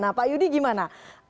nah pak yudi gimana